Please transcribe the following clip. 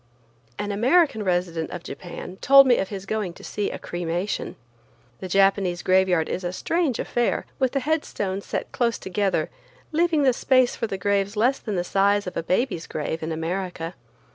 An American resident of Japan told me of his going to see a cremation. The Japanese graveyard is a strange affair, with headstones set close together, leaving the space for the graves less than the size of a baby's grave in America.